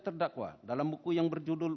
terdakwa dalam buku yang berjudul